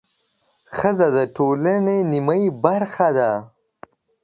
ښځه د ټولنې نیمه برخه ده